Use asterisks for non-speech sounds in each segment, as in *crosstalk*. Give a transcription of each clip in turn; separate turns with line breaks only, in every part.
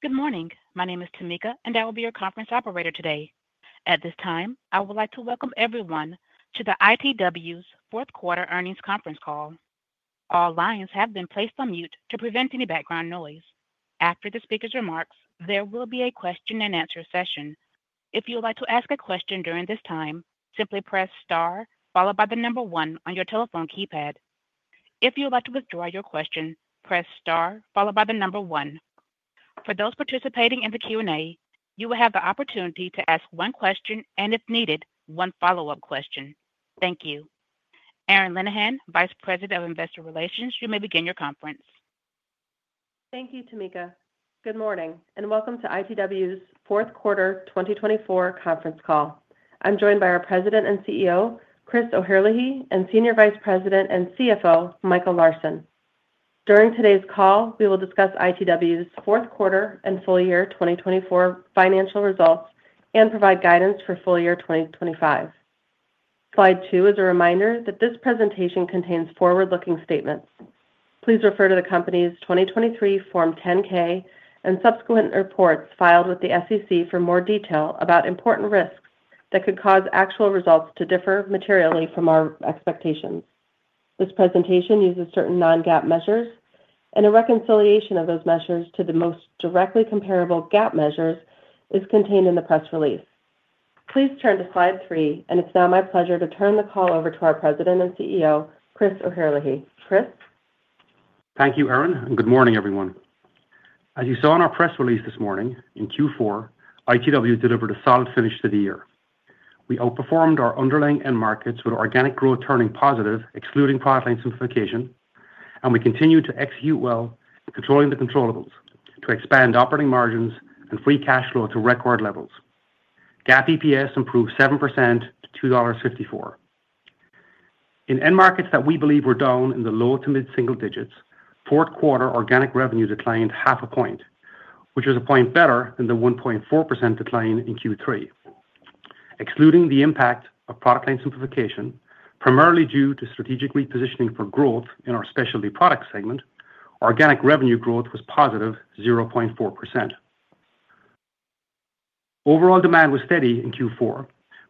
Good morning. My name is Tamika, and I will be your conference operator today. At this time, I would like to welcome everyone to the ITW's Q4 Earnings Conference Call. All lines have been placed on mute to prevent any background noise. After the speaker's remarks, there will be a question-and-answer session. If you would like to ask a question during this time, simply press star followed by the number one on your telephone keypad. If you would like to withdraw your question, press star followed by the number one. For those participating in the Q&A, you will have the opportunity to ask one question and, if needed, one follow-up question. Thank you. Erin Linnihan, Vice President of Investor Relations, you may begin your conference.
Thank you, Tamika. Good morning and welcome to ITW's Q4 2024 Conference Call. I'm joined by our President and CEO, Chris O'Herlihy, and Senior Vice President and CFO, Michael Larsen. During today's call, we will discuss ITW's Q4 and full year 2024 financial results and provide guidance for full year 2025. Slide two is a reminder that this presentation contains forward-looking statements. Please refer to the company's 2023 Form 10-K and subsequent reports filed with the SEC for more detail about important risks that could cause actual results to differ materially from our expectations. This presentation uses certain non-GAAP measures, and a reconciliation of those measures to the most directly comparable GAAP measures is contained in the press release. Please turn to Slide three, and it's now my pleasure to turn the call over to our President and CEO, Chris O'Herlihy. Chris.
Thank you, Erin, and good morning, everyone. As you saw in our press release this morning, in Q4, ITW delivered a solid finish to the year. We outperformed our underlying end markets with organic growth turning positive, excluding product line simplification, and we continued to execute well controlling the controllables, to expand operating margins and free cash flow to record levels. GAAP EPS improved 7% to $2.54. In end markets that we believe were down in the low to mid-single digits, Q4 organic revenue declined 0.5 point, which was 1 point better than the 1.4% decline in Q3. Excluding the impact of product line simplification, primarily due to strategic repositioning for growth in our Specialty Products segment, organic revenue growth was positive 0.4%. Overall demand was steady in Q4,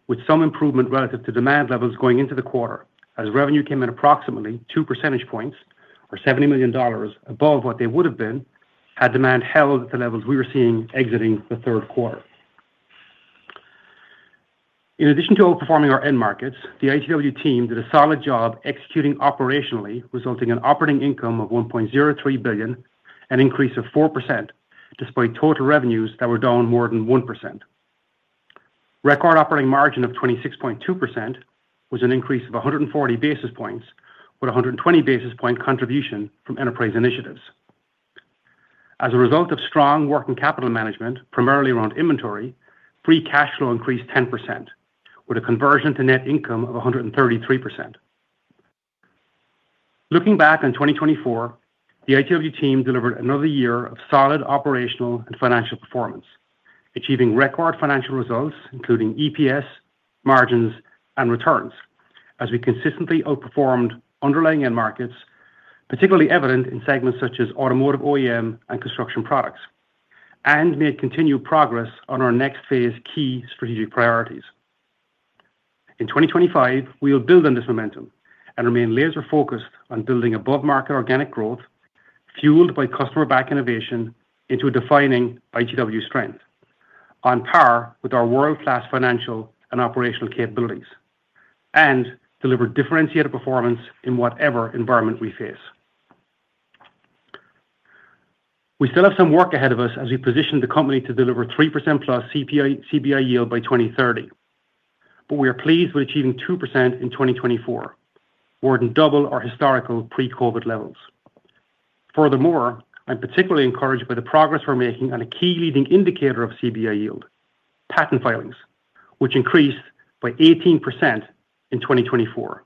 with some improvement relative to demand levels going into the quarter, as revenue came in approximately two percentage points, or $70 million above what they would have been had demand held at the levels we were seeing exiting the Q3. In addition to outperforming our end markets, the ITW team did a solid job executing operationally, resulting in operating income of $1.03 billion and an increase of 4%, despite total revenues that were down more than 1%. Record operating margin of 26.2% was an increase of 140 basis points, with a 120 basis point contribution from enterprise initiatives. As a result of strong working capital management, primarily around inventory, free cash flow increased 10%, with a conversion to net income of 133%. Looking back on 2024, the ITW team delivered another year of solid operational and financial performance, achieving record financial results, including EPS, margins, and returns, as we consistently outperformed underlying end markets, particularly evident in segments such as Automotive OEM and Construction Products, and made continued progress on our next phase key strategic priorities. In 2025, we will build on this momentum and remain laser-focused on building above-market organic growth, fueled by customer-backed innovation into a defining ITW strength, on par with our world-class financial and operational capabilities, and deliver differentiated performance in whatever environment we face. We still have some work ahead of us as we position the company to deliver 3% plus CBI yield by 2030, but we are pleased with achieving 2% in 2024, more than double our historical pre-COVID levels. Furthermore, I'm particularly encouraged by the progress we're making on a key leading indicator of CBI yield, patent filings, which increased by 18% in 2024.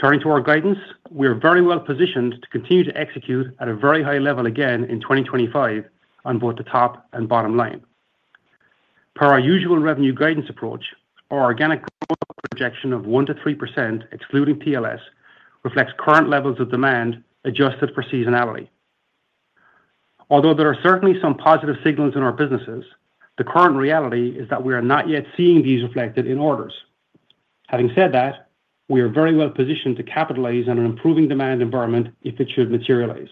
Turning to our guidance, we are very well positioned to continue to execute at a very high level again in 2025 on both the top and bottom line. Per our usual revenue guidance approach, our organic growth projection of 1% to 3%, excluding PLS, reflects current levels of demand adjusted for seasonality. Although there are certainly some positive signals in our businesses, the current reality is that we are not yet seeing these reflected in orders. Having said that, we are very well positioned to capitalize on an improving demand environment if it should materialize.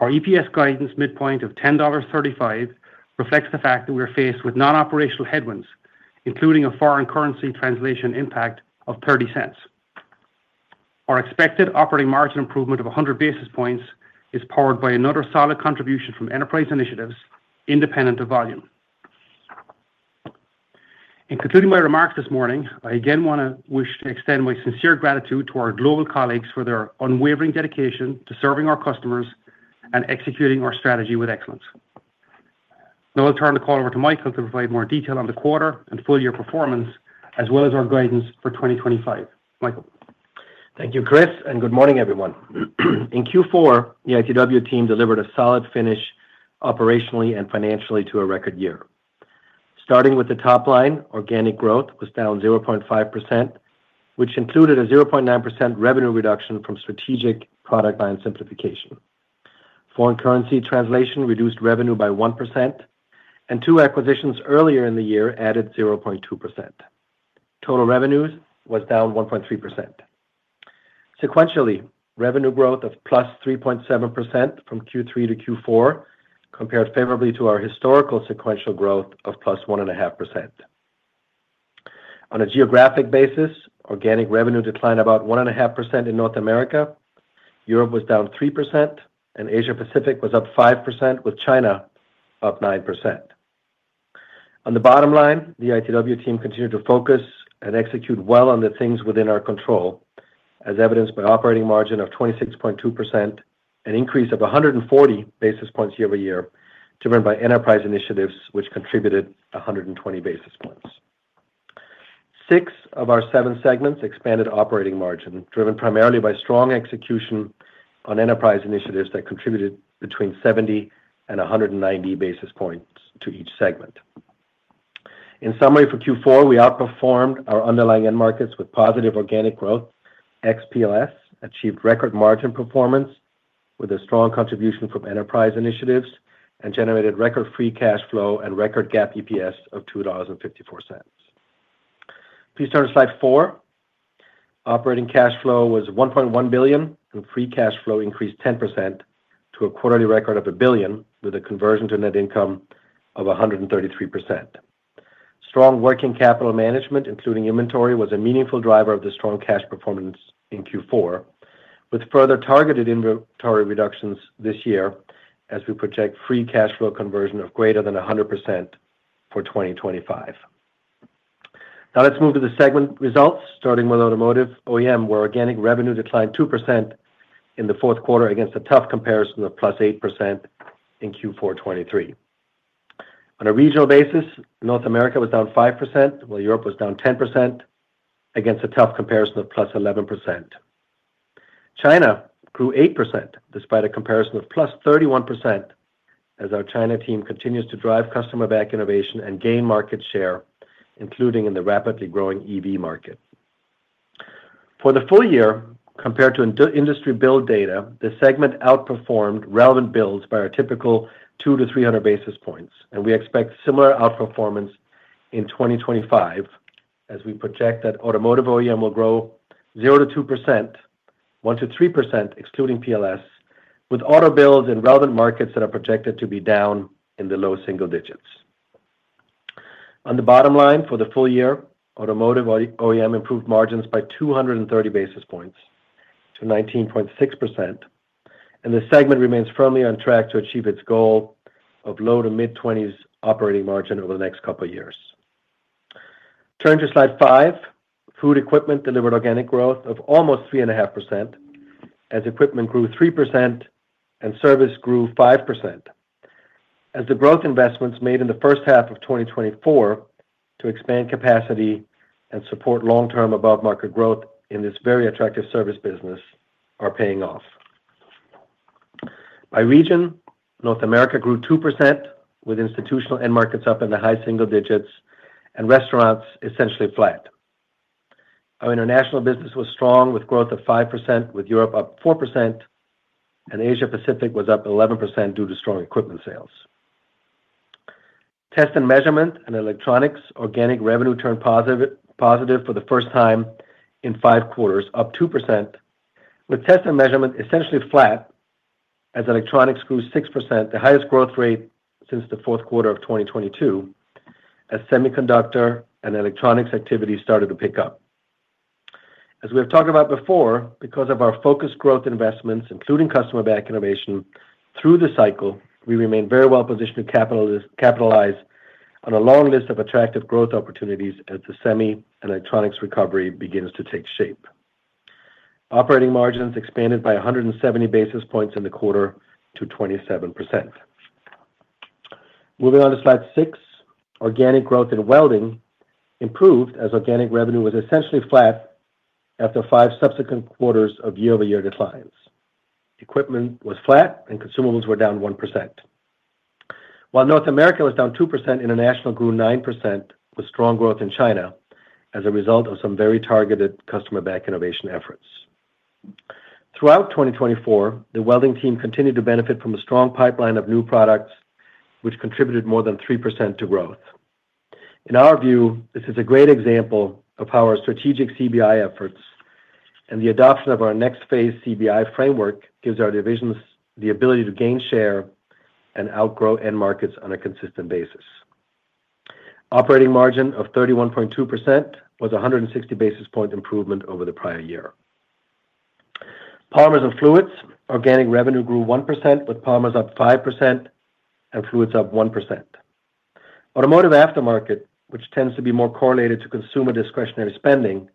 Our EPS guidance midpoint of $10.35 reflects the fact that we are faced with non-operational headwinds, including a foreign currency translation impact of $0.30. Our expected operating margin improvement of 100 basis points is powered by another solid contribution from enterprise initiatives independent of volume. In concluding my remarks this morning, I again want to extend my sincere gratitude to our global colleagues for their unwavering dedication to serving our customers and executing our strategy with excellence. Now I'll turn the call over to Michael to provide more detail on the quarter and full year performance, as well as our guidance for 2025. Michael.
Thank you, Chris, and good morning, everyone. In Q4, the ITW team delivered a solid finish operationally and financially to a record year. Starting with the top line, organic growth was down 0.5%, which included a 0.9% revenue reduction from strategic product line simplification. Foreign currency translation reduced revenue by 1%, and two acquisitions earlier in the year added 0.2%. Total revenues was down 1.3%. Sequentially, revenue growth of plus 3.7% from Q3 to Q4 compared favorably to our historical sequential growth of plus 1.5%. On a geographic basis, organic revenue declined about 1.5% in North America, Europe was down 3%, and Asia-Pacific was up 5%, with China up 9%. On the bottom line, the ITW team continued to focus and execute well on the things within our control, as evidenced by an operating margin of 26.2%, an increase of 140 basis points year-over-year driven by enterprise initiatives, which contributed 120 basis points. Six of our seven segments expanded operating margin, driven primarily by strong execution on enterprise initiatives that contributed between 70 and 190 basis points to each segment. In summary, for Q4, we outperformed our underlying end markets with positive organic growth. ex-PLS achieved record margin performance with a strong contribution from enterprise initiatives and generated record free cash flow and record GAAP EPS of $2.54. Please turn to slide four. Operating cash flow was $1.1 billion, and free cash flow increased 10% to a quarterly record of $1 billion, with a conversion to net income of 133%. Strong working capital management, including inventory, was a meaningful driver of the strong cash performance in Q4, with further targeted inventory reductions this year as we project free cash flow conversion of greater than 100% for 2025. Now let's move to the segment results, starting with Automotive OEM, where organic revenue declined 2% in the Q4 against a tough comparison of plus 8% in Q4 2023. On a regional basis, North America was down 5%, while Europe was down 10% against a tough comparison of plus 11%. China grew 8% despite a comparison of plus 31%, as our China team continues to drive customer-backed innovation and gain market share, including in the rapidly growing EV market. For the full year, compared to industry build data, the segment outperformed relevant builds by our typical 200-300 basis points, and we expect similar outperformance in 2025 as we project that Automotive OEM will grow 0-2%, 1-3%, excluding PLS, with Auto builds in relevant markets that are projected to be down in the low single digits. On the bottom line, for the full year, Automotive OEM improved margins by 230 basis points to 19.6%, and the segment remains firmly on track to achieve its goal of low to mid-20s operating margin over the next couple of years. Turning to slide five, Food Equipment delivered organic growth of almost 3.5%, as equipment grew 3% and service grew 5%, as the growth investments made in the first half of 2024 to expand capacity and support long-term above-market growth in this very attractive service business are paying off. By region, North America grew 2%, with institutional end markets up in the high single digits and restaurants essentially flat. Our international business was strong, with growth of 5%, with Europe up 4%, and Asia-Pacific was up 11% due to strong equipment sales. Test & Measurement and Electronics organic revenue turned positive for the first time in five quarters, up 2%, with Test & Measurement essentially flat as electronics grew 6%, the highest growth rate since the Q4 of 2022, as semiconductor and electronics activity started to pick up. As we have talked about before, because of our focused growth investments, including customer-backed innovation through the cycle, we remain very well positioned to capitalize on a long list of attractive growth opportunities as the Semi and electronics recovery begins to take shape. Operating margins expanded by 170 basis points in the quarter to 27%. Moving on to slide six, organic growth in Welding improved as organic revenue was essentially flat after five subsequent quarters of year-over-year declines. Equipment was flat, and consumables were down 1%. While North America was down 2%, international grew 9% with strong growth in China as a result of some very targeted customer-backed innovation efforts. Throughout 2024, the Welding team continued to benefit from a strong pipeline of new products, which contributed more than 3% to growth. In our view, this is a great example of how our strategic CBI efforts and the adoption of our next phase CBI framework gives our divisions the ability to gain share and outgrow end markets on a consistent basis. Operating margin of 31.2% was a 160 basis point improvement over the prior year. Polymers & Fluids, organic revenue grew 1%, with polymers up 5% and fluids up 1%. Automotive Aftermarket, which tends to be more correlated to consumer discretionary spending,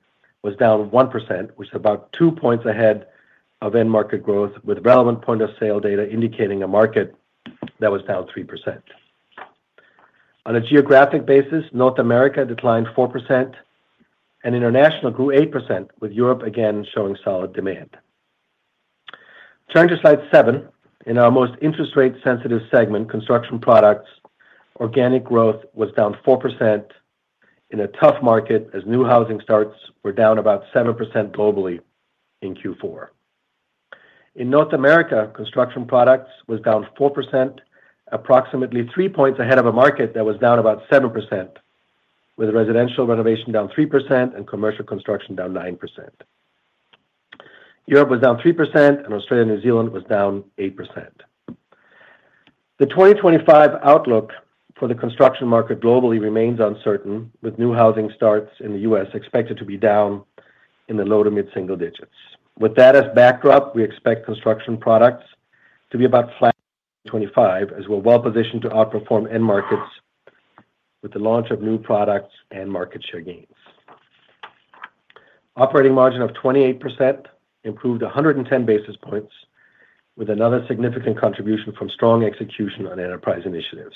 was down 1%, which is about two points ahead of end market growth, with relevant point-of-sale data indicating a market that was down 3%. On a geographic basis, North America declined 4%, and international grew 8%, with Europe again showing solid demand. Turning to slide seven, in our most interest rate-sensitive segment, Construction Products, organic growth was down 4% in a tough market as new housing starts were down about 7% globally in Q4. In North America, Construction Products was down 4%, approximately three points ahead of a market that was down about 7%, with residential renovation down 3% and commercial construction down 9%. Europe was down 3%, and Australia and New Zealand was down 8%. The 2025 outlook for the construction market globally remains uncertain, with new housing starts in the U.S. expected to be down in the low to mid-single digits. With that as backdrop, we expect Construction products to be about flat in 2025, as we're well positioned to outperform end markets with the launch of new products and market share gains. Operating margin of 28% improved 110 basis points, with another significant contribution from strong execution on enterprise initiatives.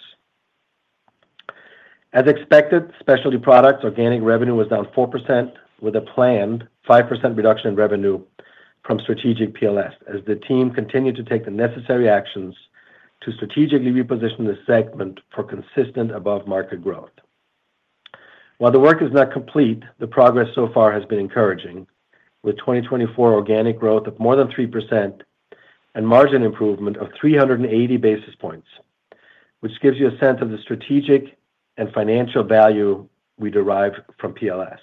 As expected, Specialty Products organic revenue was down 4%, with a planned 5% reduction in revenue from strategic PLS, as the team continued to take the necessary actions to strategically reposition the segment for consistent above-market growth. While the work is not complete, the progress so far has been encouraging, with 2024 organic growth of more than 3% and margin improvement of 380 basis points, which gives you a sense of the strategic and financial value we derived from PLS.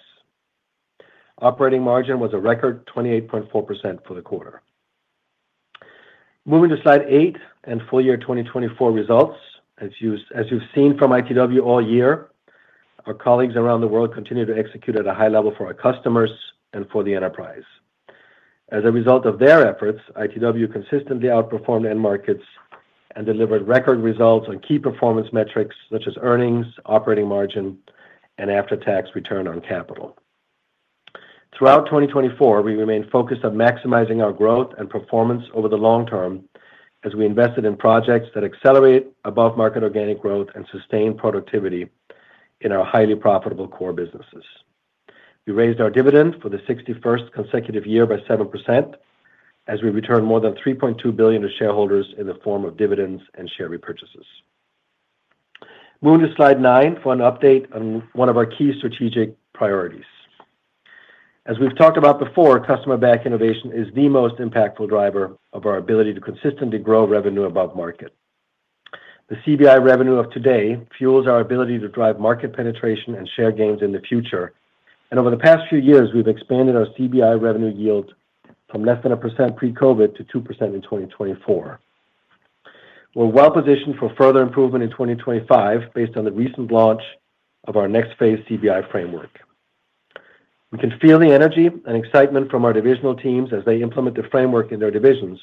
Operating margin was a record 28.4% for the quarter. Moving to slide eight and full year 2024 results, as you've seen from ITW all year, our colleagues around the world continue to execute at a high level for our customers and for the enterprise. As a result of their efforts, ITW consistently outperformed end markets and delivered record results on key performance metrics such as earnings, operating margin, and after-tax return on capital. Throughout 2024, we remained focused on maximizing our growth and performance over the long term as we invested in projects that accelerate above-market organic growth and sustain productivity in our highly profitable core businesses. We raised our dividend for the 61st consecutive year by 7% as we returned more than $3.2 billion to shareholders in the form of dividends and share repurchases. Moving to slide nine for an update on one of our key strategic priorities. As we've talked about before, customer-backed innovation is the most impactful driver of our ability to consistently grow revenue above market. The CBI revenue of today fuels our ability to drive market penetration and share gains in the future, and over the past few years, we've expanded our CBI revenue yield from less than 1% pre-COVID to 2% in 2024. We're well positioned for further improvement in 2025 based on the recent launch of our next phase CBI framework. We can feel the energy and excitement from our divisional teams as they implement the framework in their divisions,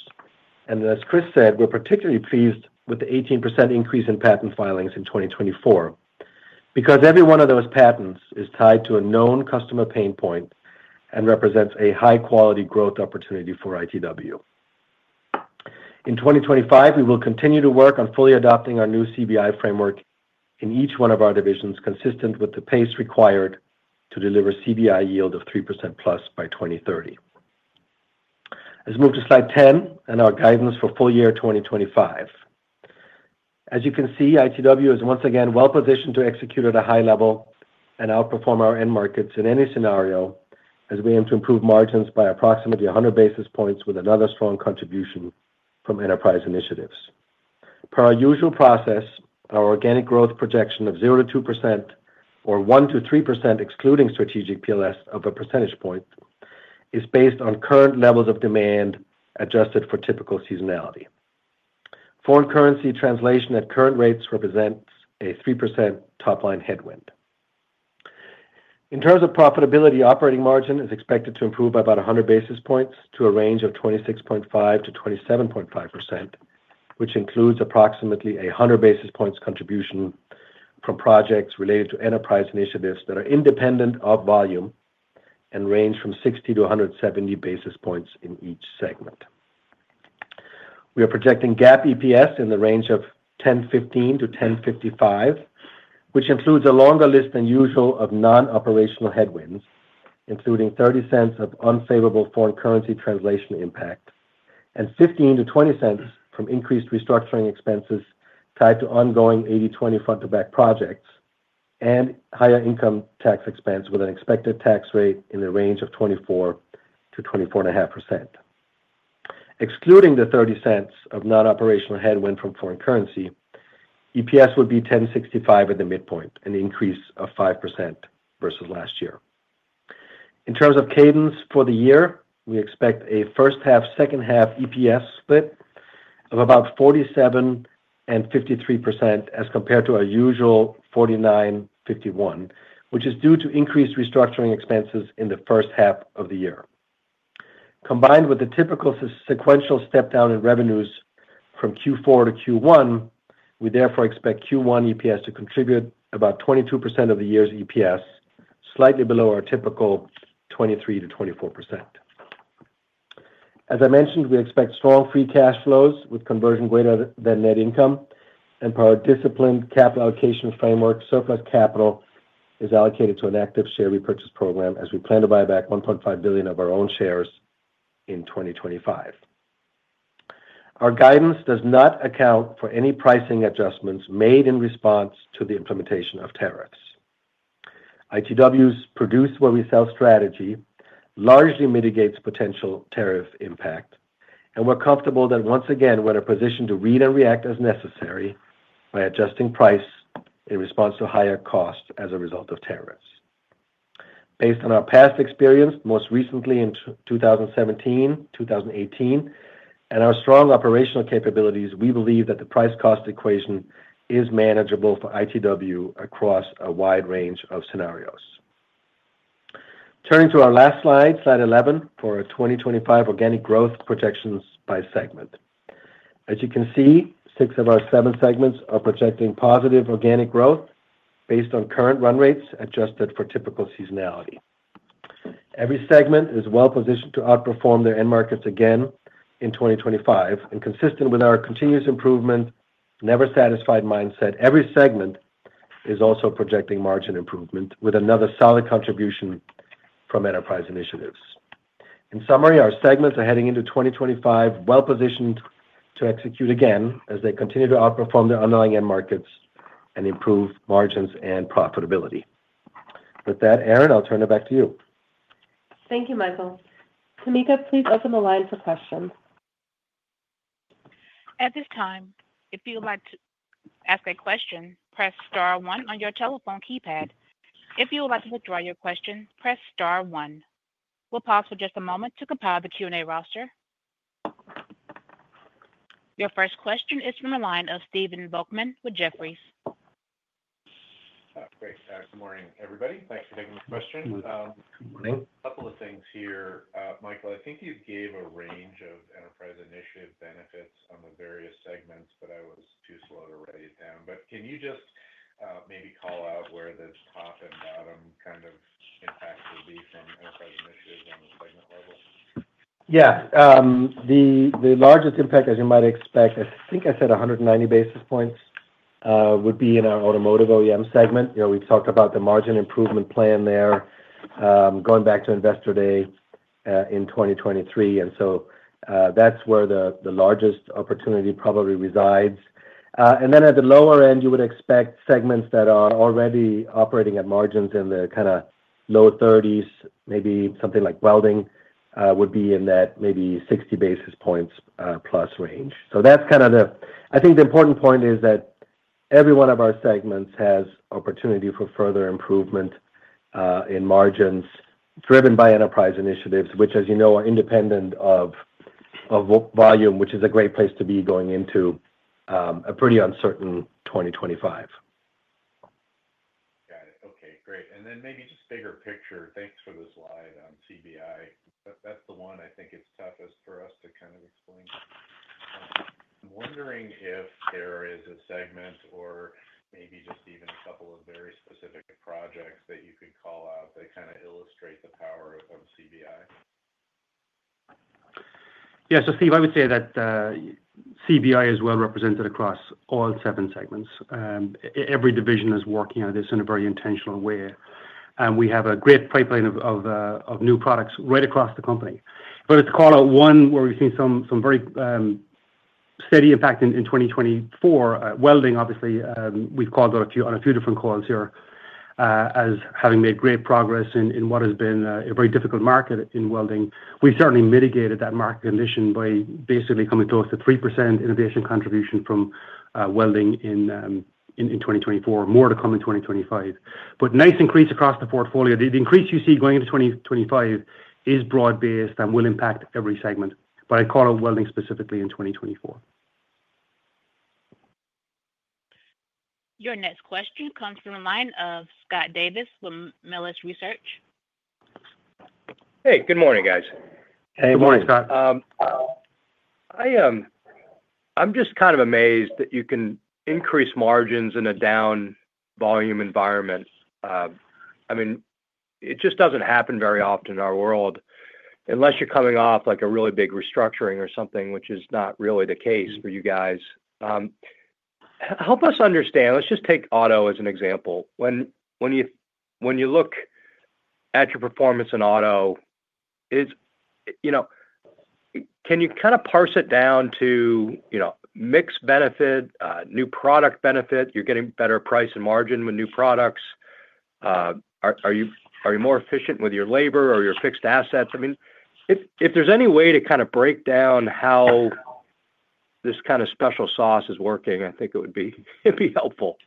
and as Chris said, we're particularly pleased with the 18% increase in patent filings in 2024 because every one of those patents is tied to a known customer pain point and represents a high-quality growth opportunity for ITW. In 2025, we will continue to work on fully adopting our new CBI framework in each one of our divisions, consistent with the pace required to deliver CBI yield of 3% plus by 2030. Let's move to slide 10 and our guidance for full year 2025. As you can see, ITW is once again well positioned to execute at a high level and outperform our end markets in any scenario as we aim to improve margins by approximately 100 basis points with another strong contribution from enterprise initiatives. Per our usual process, our organic growth projection of 0% to 2% or 1% to 3%, excluding strategic PLS, of a percentage point is based on current levels of demand adjusted for typical seasonality. Foreign currency translation at current rates represents a 3% top-line headwind. In terms of profitability, operating margin is expected to improve by about 100 basis points to a range of 26.5% to 27.5%, which includes approximately 100 basis points contribution from projects related to enterprise initiatives that are independent of volume and range from 60 to 170 basis points in each segment. We are projecting GAAP EPS in the range of $10.15-$10.55, which includes a longer list than usual of non-operational headwinds, including $0.30 of unfavorable foreign currency translation impact and $0.15-$0.20 from increased restructuring expenses tied to ongoing 80/20 Front-to-Back projects and higher income tax expense with an expected tax rate in the range of 24% to 24.5%. Excluding the $0.30 of non-operational headwind from foreign currency, EPS would be $10.65 at the midpoint, an increase of 5% versus last year. In terms of cadence for the year, we expect a first-half/second-half EPS split of about 47% and 53% as compared to our usual 49% to 51%, which is due to increased restructuring expenses in the first half of the year. Combined with the typical sequential step-down in revenues from Q4 to Q1, we therefore expect Q1 EPS to contribute about 22% of the year's EPS, slightly below our typical 23% to 24%. As I mentioned, we expect strong free cash flows with conversion greater than net income, and per our disciplined capital allocation framework, surplus capital is allocated to an active share repurchase program as we plan to buy back $1.5 billion of our own shares in 2025. Our guidance does not account for any pricing adjustments made in response to the implementation of tariffs. ITW's produce-where-we-sell strategy largely mitigates potential tariff impact, and we're comfortable that once again we're in a position to read and react as necessary by adjusting price in response to higher costs as a result of tariffs. Based on our past experience, most recently in 2017, 2018, and our strong operational capabilities, we believe that the price-cost equation is manageable for ITW across a wide range of scenarios. Turning to our last slide, slide 11 for our 2025 organic growth projections by segment. As you can see, six of our seven segments are projecting positive organic growth based on current run rates adjusted for typical seasonality. Every segment is well positioned to outperform their end markets again in 2025, and consistent with our continuous improvement, never-satisfied mindset, every segment is also projecting margin improvement with another solid contribution from enterprise initiatives. In summary, our segments are heading into 2025 well positioned to execute again as they continue to outperform their underlying end markets and improve margins and profitability. With that, Erin, I'll turn it back to you.
Thank you, Michael. Tamika, please open the line for questions.
At this time, if you would like to ask a question, press star one on your telephone keypad. If you would like to withdraw your question, press star one. We'll pause for just a moment to compile the Q&A roster. Your first question is from the line of Steven Volkman with Jefferies.
Great. Good morning, everybody. Thanks for taking the question. Good morning. A couple of things here, Michael. I think you gave a range of enterprise initiative benefits on the various segments, but I was too slow to write it down. But can you just maybe call out where the top and bottom kind of impact will be from enterprise initiatives on the segment level?
Yeah. The largest impact, as you might expect, I think I said 190 basis points, would be in our Automotive OEM segment. We've talked about the margin improvement plan there going back to investor day in 2023, and so that's where the largest opportunity probably resides. And then at the lower end, you would expect segments that are already operating at margins in the kind of low 30s, maybe something like Welding, would be in that maybe 60 basis points plus range. So that's kind of, I think, the important point is that every one of our segments has opportunity for further improvement in margins driven by enterprise initiatives, which, as you know, are independent of volume, which is a great place to be going into a pretty uncertain 2025.
Got it. Okay. Great. And then maybe just bigger picture, thanks for the slide on CBI. That's the one I think it's toughest for us to kind of explain. I'm wondering if there is a segment or maybe just even a couple of very specific projects that you could call out that kind of illustrate the power of CBI.
Yeah. So Steve, I would say that CBI is well represented across all seven segments. Every division is working on this in a very intentional way, and we have a great pipeline of new products right across the company. But it's call out one where we've seen some very steady impact in 2024. Welding, obviously, we've called out on a few different calls here as having made great progress in what has been a very difficult market in Welding. We certainly mitigated that market condition by basically coming close to 3% innovation contribution from Welding in 2024, more to come in 2025. But nice increase across the portfolio. The increase you see going into 2025 is broad-based and will impact every segment, but I call out Welding specifically in 2024.
Your next question comes from the line of Scott Davis with Melius Research.
Hey. Good morning, guys. *crosstalk* Hey Good morning, Scott. I'm just kind of amazed that you can increase margins in a down-volume environment. I mean, it just doesn't happen very often in our world unless you're coming off a really big restructuring or something, which is not really the case for you guys. Help us understand. Let's just take auto as an example. When you look at your performance in auto, can you kind of parse it down to mixed benefit, new product benefit? You're getting better price and margin with new products. Are you more efficient with your labor or your fixed assets? I mean, if there's any way to kind of break down how this kind of special sauce is working, I think it would be helpful.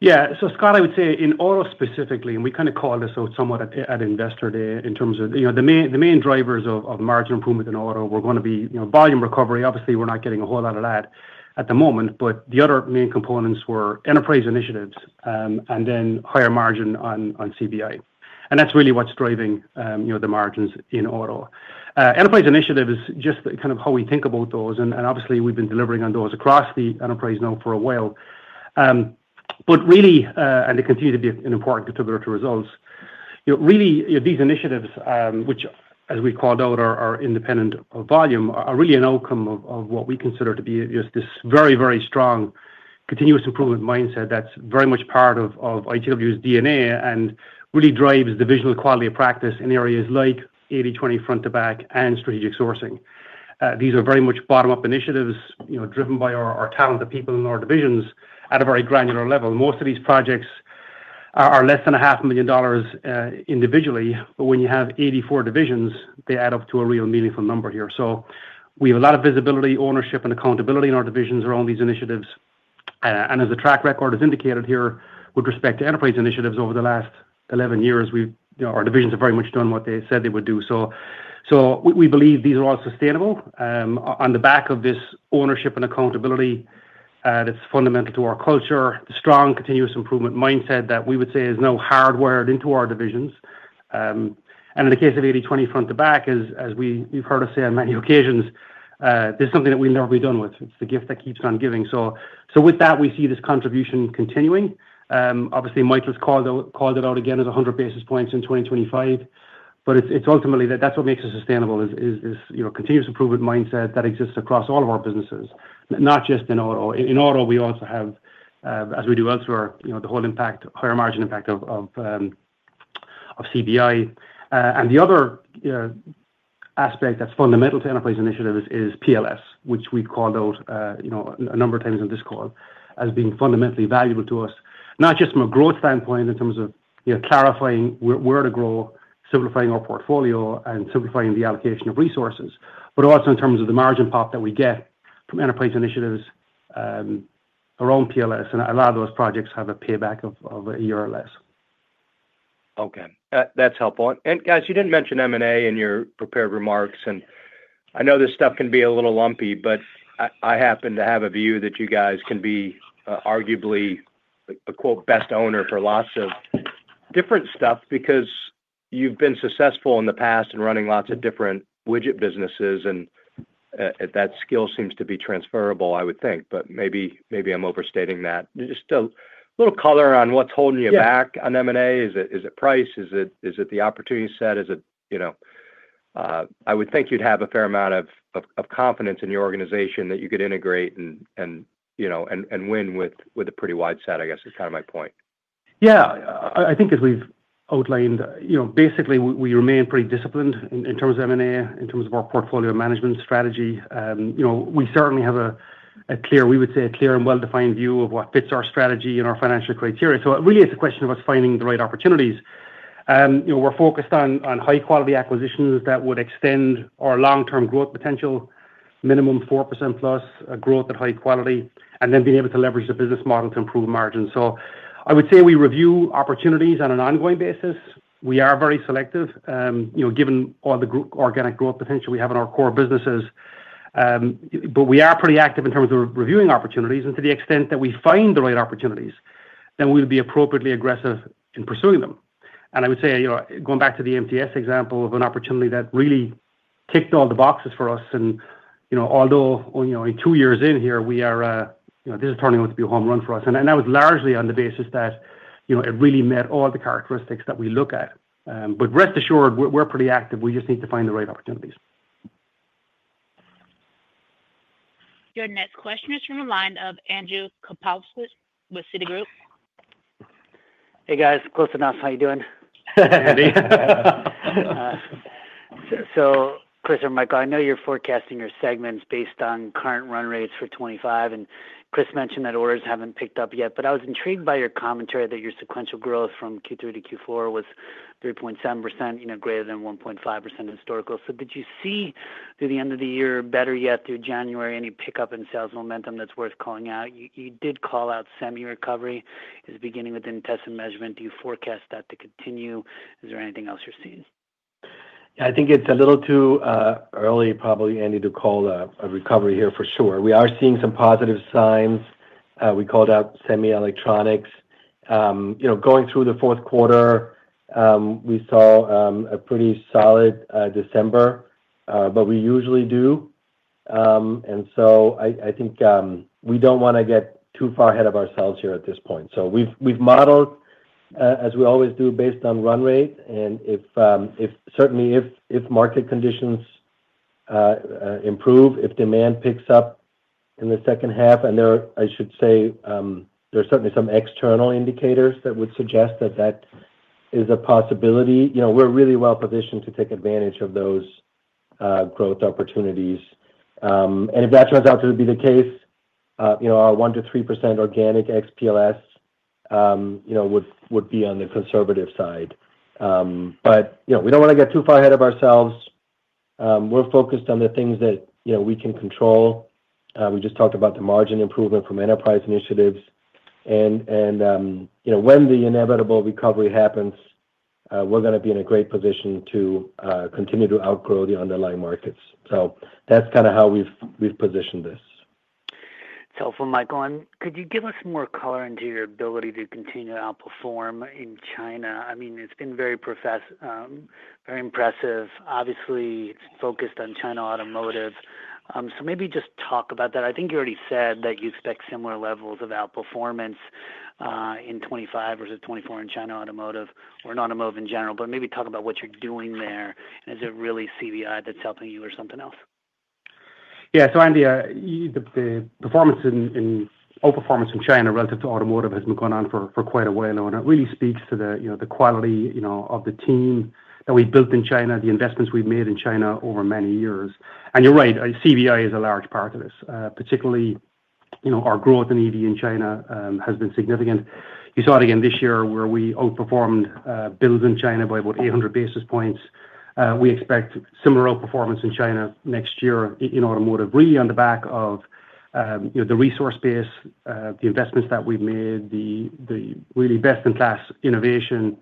Yeah. So Scott, I would say in auto specifically, and we kind of called this out somewhat at investor day in terms of the main drivers of margin improvement in auto were going to be volume recovery. Obviously, we're not getting a whole lot of that at the moment, but the other main components were enterprise initiatives and then higher margin on CBI. And that's really what's driving the margins in auto. Enterprise initiatives is just kind of how we think about those, and obviously, we've been delivering on those across the enterprise now for a while. But really, and they continue to be an important contributor to results. Really, these initiatives, which, as we called out, are independent of volume, are really an outcome of what we consider to be just this very, very strong continuous improvement mindset that's very much part of ITW's DNA and really drives divisional quality of practice in areas like 80/20 Front-to-Back and strategic sourcing. These are very much bottom-up initiatives driven by our talented people in our divisions at a very granular level. Most of these projects are less than $500,000 individually, but when you have 84 divisions, they add up to a real meaningful number here, so we have a lot of visibility, ownership, and accountability in our divisions around these initiatives. And as the track record is indicated here, with respect to enterprise initiatives over the last 11 years, our divisions have very much done what they said they would do. So we believe these are all sustainable. On the back of this ownership and accountability that's fundamental to our culture, the strong continuous improvement mindset that we would say is now hardwired into our divisions. And in the case of 80/20 Front-to-Back, as we've heard us say on many occasions, this is something that we'll never be done with. It's the gift that keeps on giving. So with that, we see this contribution continuing. Obviously, Michael's called it out again as 100 basis points in 2025, but ultimately, that's what makes it sustainable is this continuous improvement mindset that exists across all of our businesses, not just in auto. In auto, we also have, as we do elsewhere, the whole impact, higher margin impact of CBI, and the other aspect that's fundamental to enterprise initiatives is PLS, which we called out a number of times on this call as being fundamentally valuable to us, not just from a growth standpoint in terms of clarifying where to grow, simplifying our portfolio, and simplifying the allocation of resources, but also in terms of the margin pop that we get from enterprise initiatives around PLS, and a lot of those projects have a payback of a year or less.
Okay. That's helpful. Guys, you didn't mention M&A in your prepared remarks, and I know this stuff can be a little lumpy, but I happen to have a view that you guys can be arguably a "best owner" for lots of different stuff because you've been successful in the past in running lots of different widget businesses, and that skill seems to be transferable, I would think, but maybe I'm overstating that. Just a little color on what's holding you back on M&A? Is it price? Is it the opportunity set? I would think you'd have a fair amount of confidence in your organization that you could integrate and win with a pretty wide set, I guess, is kind of my point.
Yeah. I think as we've outlined, basically, we remain pretty disciplined in terms of M&A, in terms of our portfolio management strategy. We certainly have, we would say, a clear and well-defined view of what fits our strategy and our financial criteria. So it really is a question of us finding the right opportunities. We're focused on high-quality acquisitions that would extend our long-term growth potential, minimum 4% plus growth at high quality, and then being able to leverage the business model to improve margins. So I would say we review opportunities on an ongoing basis. We are very selective given all the organic growth potential we have in our core businesses, but we are pretty active in terms of reviewing opportunities. And to the extent that we find the right opportunities, then we would be appropriately aggressive in pursuing them. I would say, going back to the MTS example of an opportunity that really ticked all the boxes for us, and although in two years in here, this is turning out to be a home run for us. That was largely on the basis that it really met all the characteristics that we look at. Rest assured, we're pretty active. We just need to find the right opportunities.
Your next question is from the line of Andrew Kaplowitz with Citigroup.
Hey, guys. Close enough. How are you doing? Chris or Michael, I know you're forecasting your segments based on current run rates for 2025, and Chris mentioned that orders haven't picked up yet, but I was intrigued by your commentary that your sequential growth from Q3 to Q4 was 3.7%, greater than 1.5% historical. Did you see through the end of the year, better yet through January, any pickup in sales momentum that's worth calling out? You did call out semi-recovery is beginning within Test & Measurement. Do you forecast that to continue? Is there anything else you're seeing?
Yeah. I think it's a little too early, probably, Andy, to call a recovery here for sure. We are seeing some positive signs. We called out semi-electronics. Going through the Q4, we saw a pretty solid December, but we usually do. And so I think we don't want to get too far ahead of ourselves here at this point. So we've modeled, as we always do, based on run rate, and certainly, if market conditions improve, if demand picks up in the second half. And I should say there are certainly some external indicators that would suggest that that is a possibility. We're really well positioned to take advantage of those growth opportunities. And if that turns out to be the case, our 1% to 3% organic ex-PLS would be on the conservative side. But we don't want to get too far ahead of ourselves. We're focused on the things that we can control. We just talked about the margin improvement from enterprise initiatives. And when the inevitable recovery happens, we're going to be in a great position to continue to outgrow the underlying markets. So that's kind of how we've positioned this.
It's helpful, Michael. And could you give us more color into your ability to continue to outperform in China? I mean, it's been very impressive. Obviously, it's focused on China Automotive. So maybe just talk about that. I think you already said that you expect similar levels of outperformance in 2025 versus 2024 in China Automotive or in Automotive in general, but maybe talk about what you're doing there. And is it really CBI that's helping you or something else?
Yeah. So Andy, the outperformance in China relative to Automotive has been going on for quite a while, and it really speaks to the quality of the team that we built in China, the investments we've made in China over many years. And you're right. CBI is a large part of this. Particularly, our growth in EV in China has been significant. You saw it again this year where we outperformed builds in China by about 800 basis points. We expect similar outperformance in China next year in Automotive, really on the back of the resource base, the investments that we've made, the really best-in-class innovation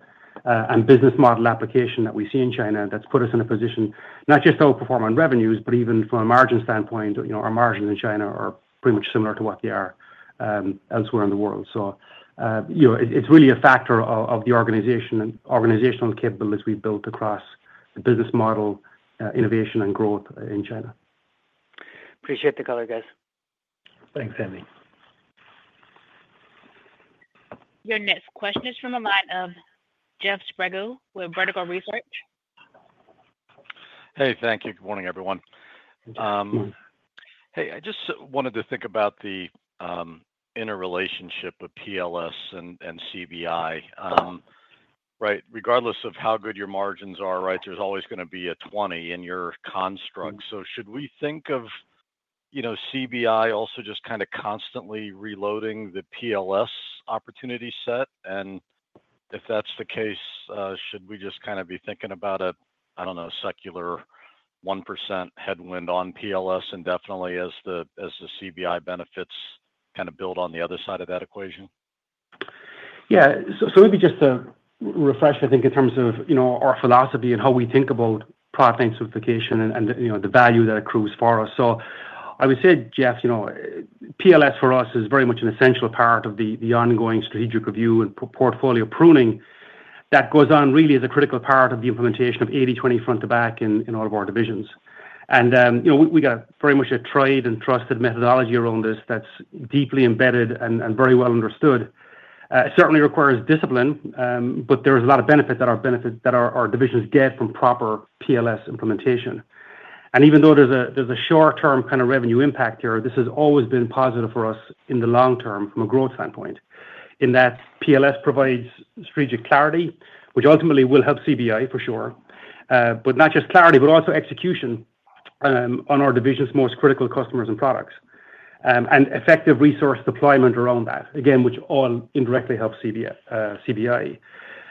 and business model application that we see in China that's put us in a position not just to outperform on revenues, but even from a margin standpoint, our margins in China are pretty much similar to what they are elsewhere in the world, so it's really a factor of the organizational capabilities we've built across the business model, innovation, and growth in China.
Appreciate the color, guys. *crosstalk* Thanks, Andy.
Your next question is from the line of Jeff Sprague with Vertical Research.
Hey. Thank you. Good morning, everyone. Hey. I just wanted to think about the interrelationship of PLS and CBI. Right? Regardless of how good your margins are, right, there's always going to be a 20 in your construct. So should we think of CBI also just kind of constantly reloading the PLS opportunity set? And if that's the case, should we just kind of be thinking about a, I don't know, secular 1% headwind on PLS indefinitely as the CBI benefits kind of build on the other side of that equation?
Yeah. So maybe just to refresh, I think, in terms of our philosophy and how we think about product identification and the value that accrues for us. So I would say, Jeff, PLS for us is very much an essential part of the ongoing strategic review and portfolio pruning that goes on really as a critical part of the implementation of 80/20 Front-to-Back in all of our divisions. And we got very much a tried and trusted methodology around this that's deeply embedded and very well understood. It certainly requires discipline, but there's a lot of benefit that our divisions get from proper PLS implementation, and even though there's a short-term kind of revenue impact here, this has always been positive for us in the long term from a growth standpoint in that PLS provides strategic clarity, which ultimately will help CBI for sure, but not just clarity, but also execution on our division's most critical customers and products and effective resource deployment around that, again, which all indirectly helps CBI,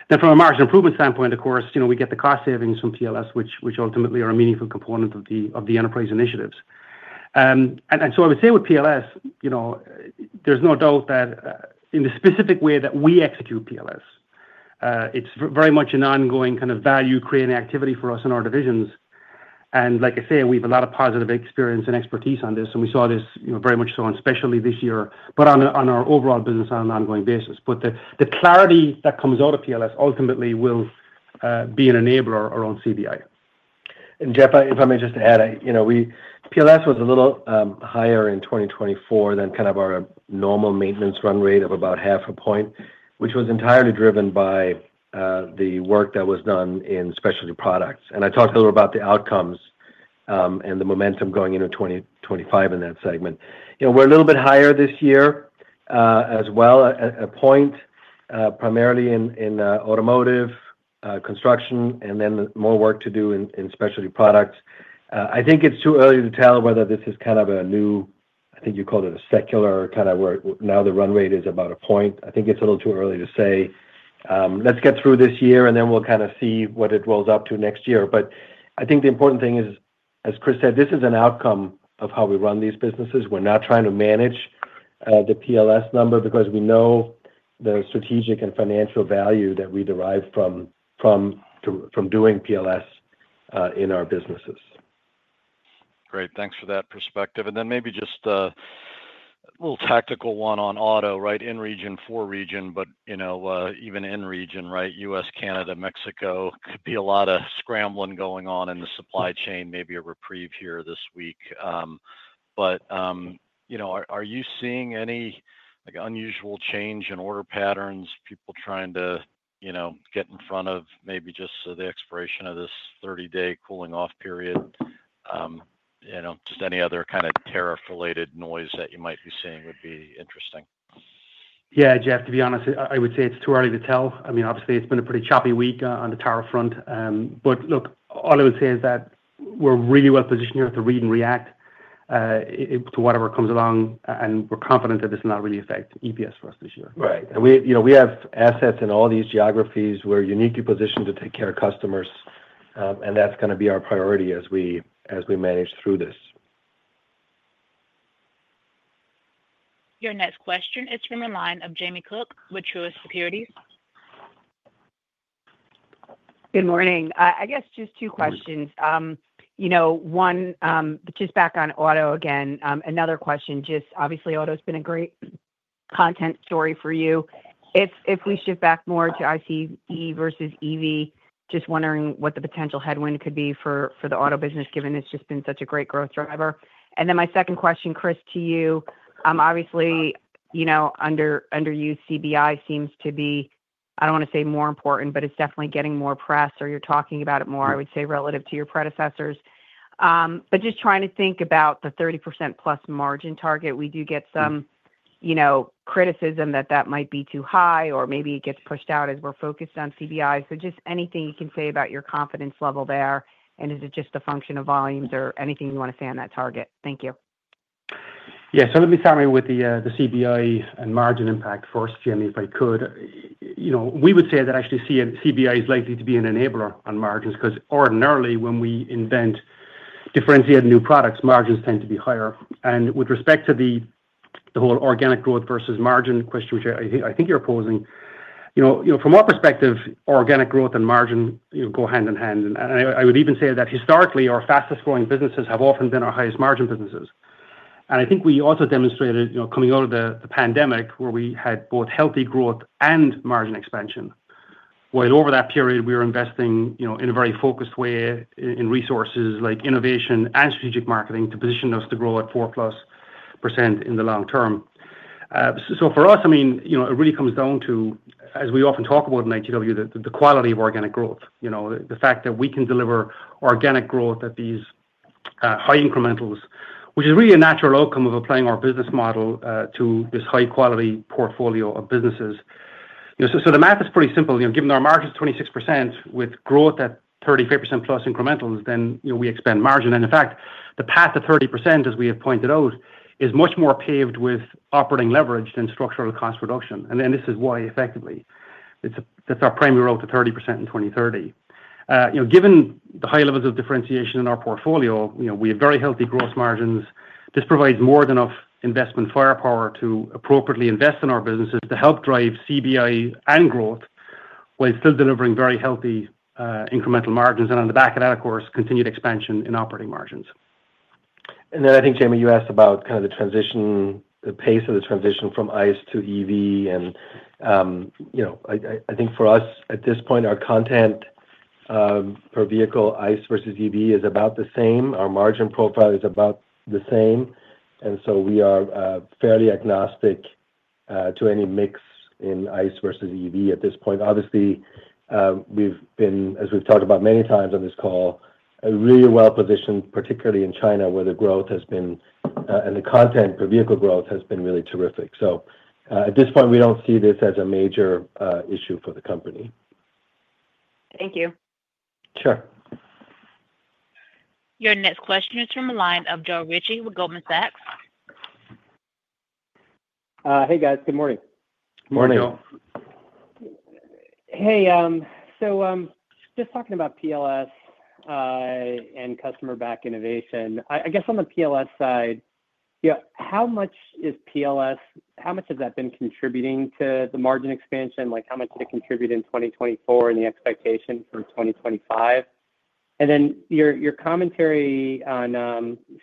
then from a margin improvement standpoint, of course, we get the cost savings from PLS, which ultimately are a meaningful component of the enterprise initiatives, and so I would say with PLS, there's no doubt that in the specific way that we execute PLS, it's very much an ongoing kind of value-creating activity for us in our divisions. And like I say, we have a lot of positive experience and expertise on this, and we saw this very much so on specialty this year, but on our overall business on an ongoing basis. But the clarity that comes out of PLS ultimately will be an enabler around CBI.
And Jeff, if I may just add, PLS was a little higher in 2024 than kind of our normal maintenance run rate of about 0.5 point, which was entirely driven by the work that was done in Specialty Products. And I talked a little about the outcomes and the momentum going into 2025 in that segment. We're a little bit higher this year as well, 1 point, primarily in Automotive construction, and then more work to do in Specialty Products. I think it's too early to tell whether this is kind of a new, I think you called it a secular kind of where now the run rate is about a point. I think it's a little too early to say. Let's get through this year, and then we'll kind of see what it rolls up to next year. But I think the important thing is, as Chris said, this is an outcome of how we run these businesses. We're not trying to manage the PLS number because we know the strategic and financial value that we derive from doing PLS in our businesses.
Great. Thanks for that perspective. And then maybe just a little tactical one on auto, right? In region, for region, but even in region, right? U.S., Canada, Mexico, could be a lot of scrambling going on in the supply chain, maybe a reprieve here this week. But are you seeing any unusual change in order patterns, people trying to get in front of maybe just the expiration of this 30-day cooling-off period? Just any other kind of tariff-related noise that you might be seeing would be interesting.
Yeah. Jeff, to be honest, I would say it's too early to tell. I mean, obviously, it's been a pretty choppy week on the tariff front. But look, all I would say is that we're really well positioned here to read and react to whatever comes along, and we're confident that this will not really affect EPS for us this year.
Right. And we have assets in all these geographies. We're uniquely positioned to take care of customers, and that's going to be our priority as we manage through this.
Your next question is from the line of Jamie Cook with Truist Securities.
Good morning.I guess just two questions. One, just back on auto again. Another question, just obviously, auto has been a great content story for you. If we shift back more to ICE versus EV, just wondering what the potential headwind could be for the auto business, given it's just been such a great growth driver and then my second question, Chris, to you. Obviously, under you, CBI seems to be, I don't want to say more important, but it's definitely getting more press or you're talking about it more, I would say, relative to your predecessors but just trying to think about the 30% plus margin target. We do get some criticism that that might be too high or maybe it gets pushed out as we're focused on CBI. So just anything you can say about your confidence level there, and is it just a function of volumes or anything you want to say on that target? Thank you.
Yeah. So let me start with the CBI and margin impact first, Jamie, if I could. We would say that actually CBI is likely to be an enabler on margins because ordinarily, when we invent differentiated new products, margins tend to be higher. And with respect to the whole organic growth versus margin question, which I think you're posing, from our perspective, organic growth and margin go hand in hand. And I would even say that historically, our fastest-growing businesses have often been our highest-margin businesses. And I think we also demonstrated coming out of the pandemic where we had both healthy growth and margin expansion. While over that period, we were investing in a very focused way in resources like innovation and strategic marketing to position us to grow at 4% plus in the long term, so for us, I mean, it really comes down to, as we often talk about in ITW, the quality of organic growth, the fact that we can deliver organic growth at these high incrementals, which is really a natural outcome of applying our business model to this high-quality portfolio of businesses, so the math is pretty simple. Given our margin is 26% with growth at 35% plus incrementals, then we expand margin, and in fact, the path to 30%, as we have pointed out, is much more paved with operating leverage than structural cost reduction, and this is why, effectively, it's our primary road to 30% in 2030. Given the high levels of differentiation in our portfolio, we have very healthy gross margins. This provides more than enough investment firepower to appropriately invest in our businesses to help drive CBI and growth while still delivering very healthy incremental margins. And on the back of that, of course, continued expansion in operating margins.
And then I think, Jamie, you asked about kind of the pace of the transition from ICE to EV. And I think for us, at this point, our content per vehicle, ICE versus EV, is about the same. Our margin profile is about the same. And so we are fairly agnostic to any mix in ICE versus EV at this point. Obviously, we've been, as we've talked about many times on this call, really well positioned, particularly in China where the growth has been and the content per vehicle growth has been really terrific. So at this point, we don't see this as a major issue for the company.
Thank you.
Sure.
Your next question is from the line of Joe Ritchie with Goldman Sachs.
Hey, guys. Good morning. *crosstalk* Morning. Hey. So just talking about PLS and customer-backed innovation, I guess on the PLS side, how much has that been contributing to the margin expansion? How much did it contribute in 2024 and the expectation for 2025? And then your commentary on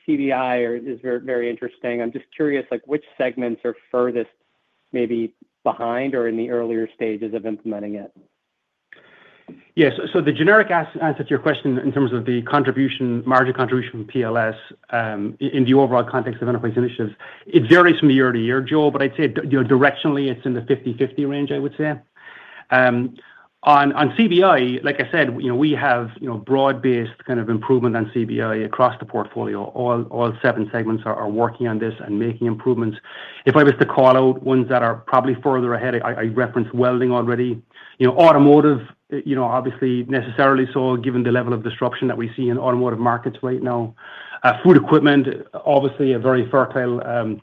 CBI is very interesting. I'm just curious which segments are furthest maybe behind or in the earlier stages of implementing it.
Yes. So the generic answer to your question in terms of the margin contribution from PLS in the overall context of enterprise initiatives, it varies from year to year, Joe, but I'd say directionally, it's in the 50/50 range, I would say. On CBI, like I said, we have broad-based kind of improvement on CBI across the portfolio. All seven segments are working on this and making improvements. If I was to call out ones that are probably further ahead, I referenced Welding already. Automotive, obviously, necessarily so given the level of disruption that we see in Automotive markets right now. Food equipment, obviously, a very fertile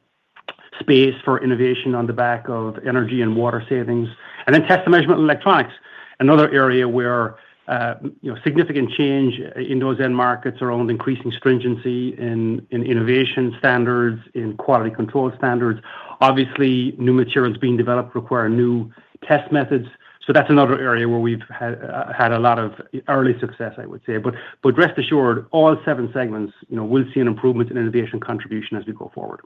space for innovation on the back of energy and water savings. And then Test & Measurement electronics, another area where significant change in those end markets around increasing stringency in innovation standards, in quality control standards. Obviously, new materials being developed require new test methods. So that's another area where we've had a lot of early success, I would say. But rest assured, all seven segments, we'll see an improvement in innovation contribution as we go forward.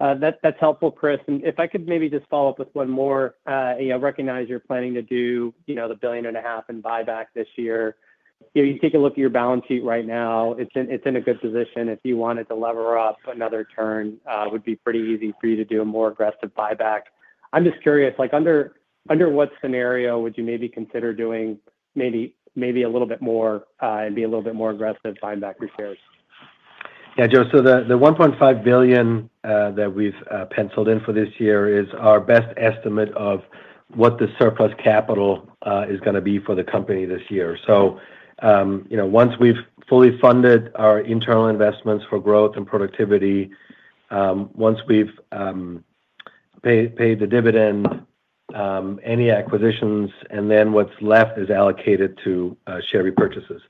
That's helpful, Chris. If I could maybe just follow up with one more. I recognize you're planning to do the $1.5 billion in buyback this year. You take a look at your balance sheet right now. It's in a good position. If you wanted to lever up another turn, it would be pretty easy for you to do a more aggressive buyback. I'm just curious, under what scenario would you maybe consider doing maybe a little bit more and be a little bit more aggressive buying back your shares?
Yeah, Joe. So the $1.5 billion that we've penciled in for this year is our best estimate of what the surplus capital is going to be for the company this year. So once we've fully funded our internal investments for growth and productivity, once we've paid the dividend, any acquisitions, and then what's left is allocated to share repurchases.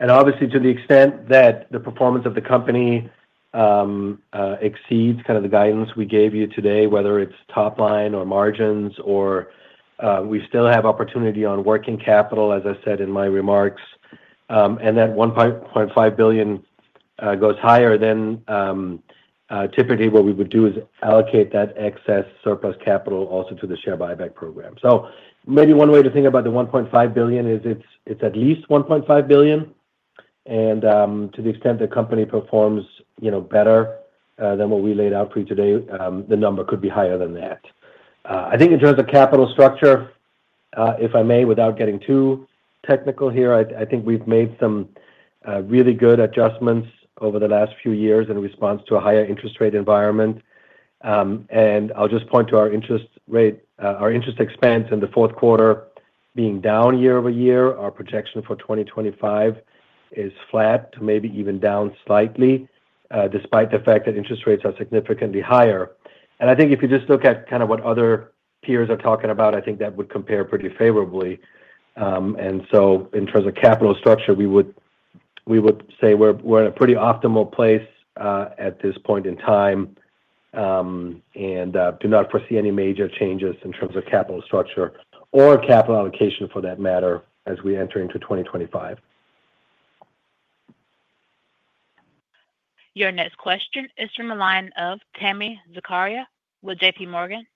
And obviously, to the extent that the performance of the company exceeds kind of the guidance we gave you today, whether it's top line or margins, we still have opportunity on working capital, as I said in my remarks. And that $1.5 billion goes higher, then typically what we would do is allocate that excess surplus capital also to the share buyback program. So maybe one way to think about the $1.5 billion is it's at least $1.5 billion. And to the extent the company performs better than what we laid out for you today, the number could be higher than that. I think in terms of capital structure, if I may, without getting too technical here, I think we've made some really good adjustments over the last few years in response to a higher interest rate environment. I'll just point to our interest expense in the Q4 being down year-over-year. Our projection for 2025 is flat to maybe even down slightly, despite the fact that interest rates are significantly higher. I think if you just look at kind of what other peers are talking about, I think that would compare pretty favorably. So in terms of capital structure, we would say we're in a pretty optimal place at this point in time and do not foresee any major changes in terms of capital structure or capital allocation for that matter as we enter into 2025.
Your next question is from the line of Tami Zakaria with J.P. Morgan.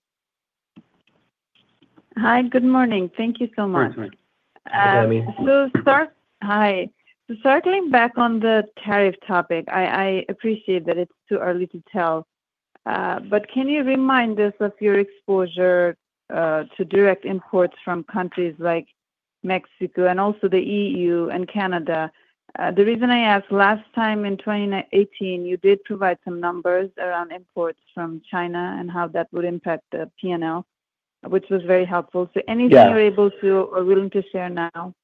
Hi. Good morning. Thank you so much. *crosstalk* Good morning. Good morning. So start. Hi. So circling back on the tariff topic, I appreciate that it's too early to tell, but can you remind us of your exposure to direct imports from countries like Mexico and also the EU and Canada? The reason I asked last time in 2018, you did provide some numbers around imports from China and how that would impact the P&L, which was very helpful. So anything you're able to or willing to share now?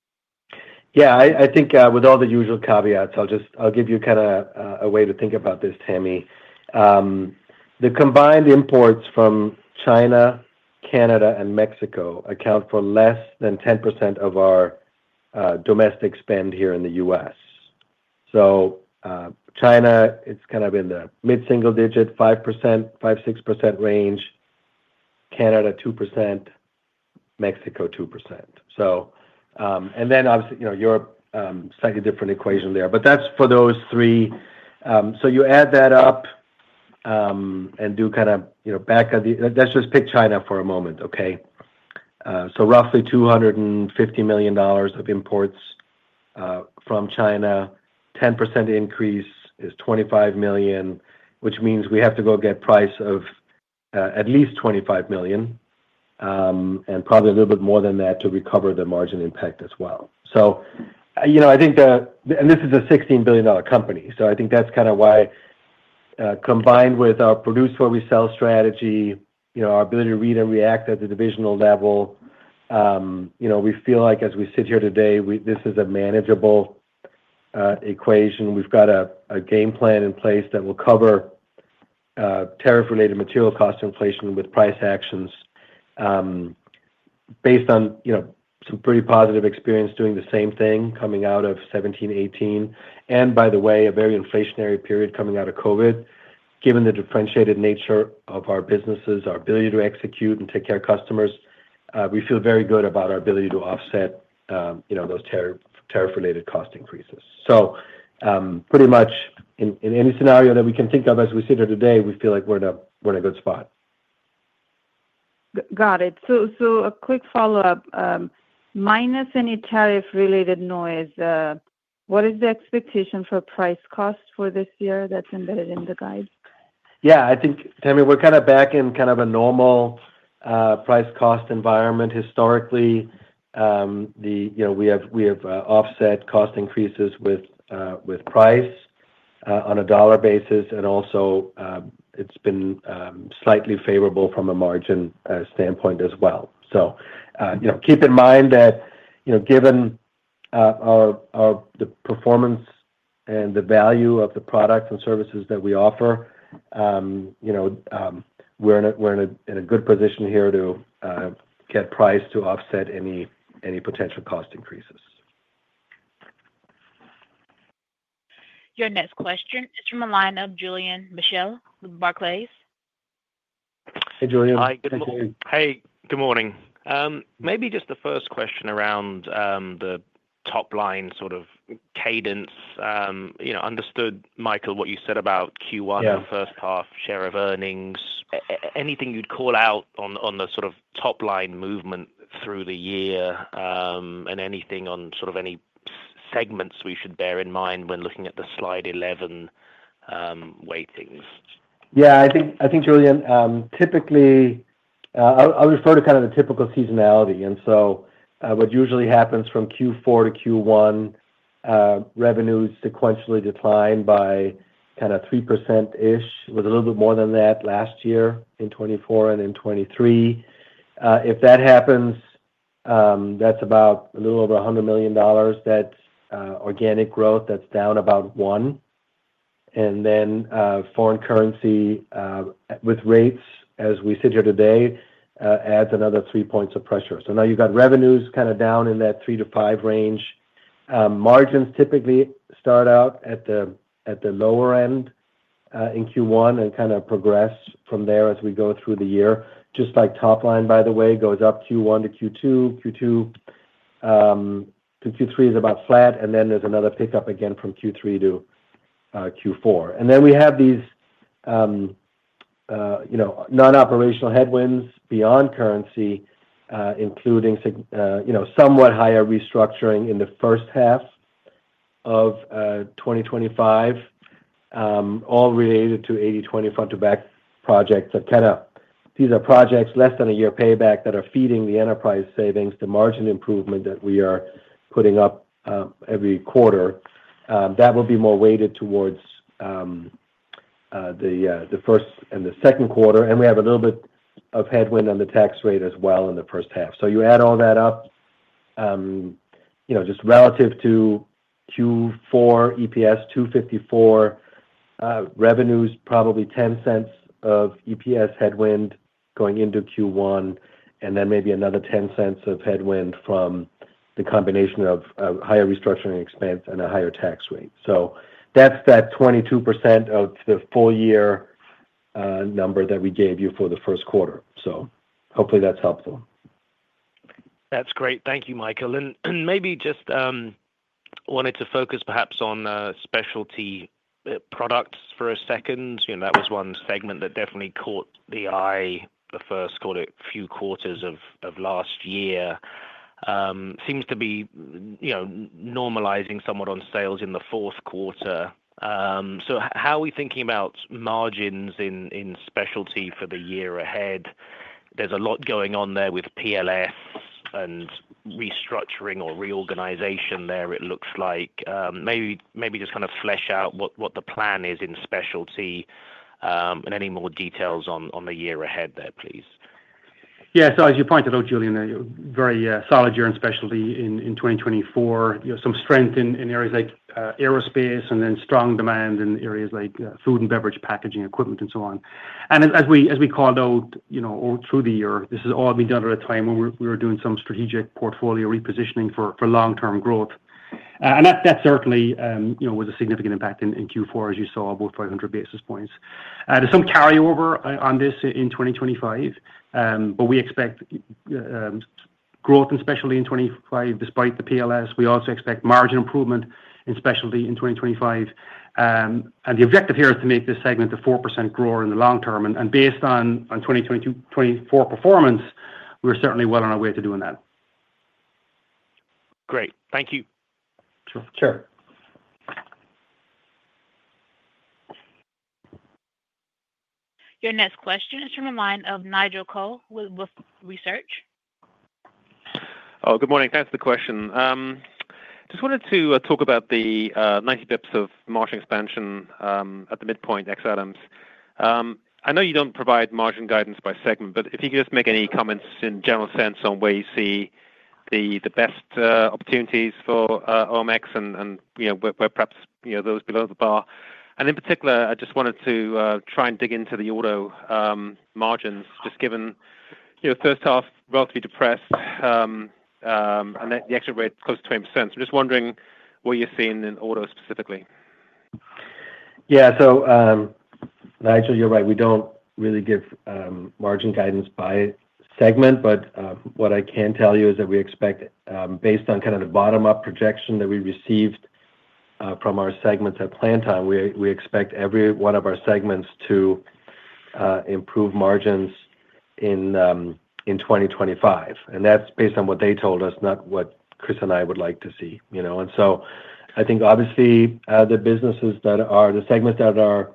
Yeah. I think with all the usual caveats, I'll give you kind of a way to think about this, Tamika. The combined imports from China, Canada, and Mexico account for less than 10% of our domestic spend here in the U.S.. So China, it's kind of in the mid-single-digit, 5%, 5, 6% range. Canada, 2%. Mexico, 2%. And then, obviously, Europe, slightly different equation there. But that's for those three. So you add that up and do kind of back-of-the-envelope. Let's just pick China for a moment, okay? So roughly $250 million of imports from China. A 10% increase is $25 million, which means we have to go get price of at least $25 million and probably a little bit more than that to recover the margin impact as well. So I think the, and this is a $16 billion company. So I think that's kind of why, combined with our produce where we sell strategy, our ability to read and react at the divisional level, we feel like as we sit here today, this is a manageable equation. We've got a game plan in place that will cover tariff-related material cost inflation with price actions based on some pretty positive experience doing the same thing coming out of 2017, 2018, and by the way, a very inflationary period coming out of COVID. Given the differentiated nature of our businesses, our ability to execute and take care of customers, we feel very good about our ability to offset those tariff-related cost increases. So pretty much in any scenario that we can think of as we sit here today, we feel like we're in a good spot.
Got it. So a quick follow-up. Minus any tariff-related noise, what is the expectation for price cost for this year that's embedded in the guide? Yeah. I think, Tami, we're kind of back in kind of a normal price cost environment.
Historically, we have offset cost increases with price on a dollar basis, and also it's been slightly favorable from a margin standpoint as well. So keep in mind that given the performance and the value of the products and services that we offer, we're in a good position here to get price to offset any potential cost increases.
Your next question is from the line of Julian Mitchell Barclays.
*crosstalk* Hey, Julian. Hi. Good morning. Hey. Good morning. Maybe just the first question around the top line sort of cadence. Understood, Michael, what you said about Q1, first half, share of earnings. Anything you'd call out on the sort of top line movement through the year and anything on sort of any segments we should bear in mind when looking at the Slide 11 weightings?
Yeah. I think, Julian, typically, I'll refer to kind of the typical seasonality. And so what usually happens from Q4 to Q1 is revenues sequentially decline by kind of 3% to ish. It was a little bit more than that last year in 2024 and in 2023. If that happens, that's about a little over $100 million. That's organic growth that's down about one. And then foreign currency with rates, as we sit here today, adds another three points of pressure. So now you've got revenues kind of down in that three to five range. Margins typically start out at the lower end in Q1 and kind of progress from there as we go through the year. Just like top line, by the way, goes up Q1 to Q2. Q2 to Q3 is about flat. And then there's another pickup again from Q3 to Q4. And then we have these non-operational headwinds beyond currency, including somewhat higher restructuring in the first half of 2025, all related to 80/20 Front-to-Back projects that kind of these are projects less than a year payback that are feeding the enterprise savings, the margin improvement that we are putting up every quarter. That will be more weighted towards the first and the Q2. We have a little bit of headwind on the tax rate as well in the first half. You add all that up just relative to Q4 EPS, $2.54 revenues, probably $0.10 of EPS headwind going into Q1, and then maybe another $0.10 of headwind from the combination of higher restructuring expense and a higher tax rate. That's that 22% of the full year number that we gave you for the Q1. Hopefully that's helpful.
That's great. Thank you, Michael. And maybe just wanted to focus perhaps on Specialty Products for a second. That was one segment that definitely caught the eye the first, called it, few quarters of last year. Seems to be normalizing somewhat on sales in the Q4. So how are we thinking about margins in specialty for the year ahead? There's a lot going on there with PLS and restructuring or reorganization there, it looks like. Maybe just kind of flesh out what the plan is in specialty and any more details on the year ahead there, please.
Yeah. So as you pointed out, Julian, very solid year in specialty in 2024. Some strength in areas like aerospace and then strong demand in areas like food and beverage packaging equipment and so on. And as we call out all through the year, this has all been done at a time when we were doing some strategic portfolio repositioning for long-term growth. And that certainly was a significant impact in Q4, as you saw, about 500 basis points. There's some carryover on this in 2025, but we expect growth in specialty in 2025 despite the PLS. We also expect margin improvement in specialty in 2025. And the objective here is to make this segment a 4% grower in the long term. And based on 2024 performance, we're certainly well on our way to doing that.
Great. Thank you. *crosstalk* Sure. Sure.
Your next question is from the line of Nigel Coe with Wolfe Research.
Oh, good morning. Thanks for the question. Just wanted to talk about the 90 basis points of margin expansion at the midpoint, ex-items. I know you don't provide margin guidance by segment, but if you could just make any comments in general sense on where you see the best opportunities for OMX and where perhaps those below the bar, and in particular, I just wanted to try and dig into the auto margins, just given first half relatively depressed and the exit rate close to 20%. So I'm just wondering what you're seeing in auto specifically.
Yeah, so Nigel, you're right. We don't really give margin guidance by segment, but what I can tell you is that we expect, based on kind of the bottom-up projection that we received from our segments at plan time, we expect every one of our segments to improve margins in 2025, and that's based on what they told us, not what Chris and I would like to see. And so I think, obviously, the businesses that are the segments that are